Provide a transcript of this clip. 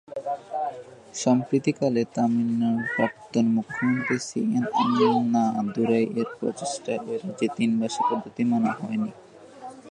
সাম্প্রতিককালে, তামিলনাড়ুর প্রাক্তন মুখ্যমন্ত্রী সি এন আন্নাদুরাই-এর প্রচেষ্টায় ওই রাজ্যে তিন ভাষা পদ্ধতি মানা হয়নি।